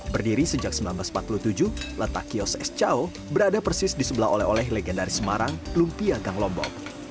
berdiri sejak seribu sembilan ratus empat puluh tujuh letak kios es chow berada persis di sebelah oleh oleh legendaris semarang lumpia gang lombok